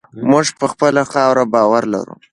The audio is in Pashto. موږ په خپله خاوره باور لرو.